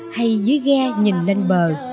hay dưới ghe nhìn lên bờ